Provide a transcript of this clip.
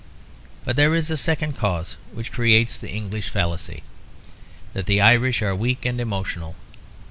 But there is a second cause which creates the English fallacy that the Irish are weak and emotional.